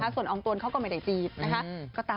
มันก็ทำงานตามที่ฟันได้รับเมาะหมายปกติ